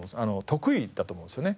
得意だと思うんですよね。